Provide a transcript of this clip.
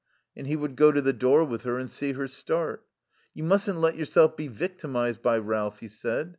And he would go to the door with her and see her start. "You mustn't let yourself be victimized by Ralph," he said.